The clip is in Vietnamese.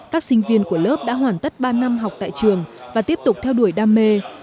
các sinh viên của lớp đã hoàn tất ba năm học tại trường và tiếp tục theo đuổi đam mê